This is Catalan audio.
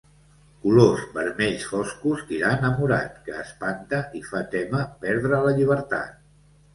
Colors vermells foscos tirant a morat que espanta i fa témer perdre la llibertat.